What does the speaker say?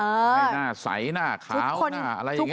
ให้หน้าใสหน้าขาวหน้าอะไรอย่างนี้